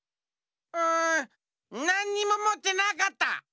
うんなんにももってなかった！